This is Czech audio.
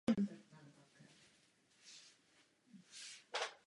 Zároveň se stal starostou města.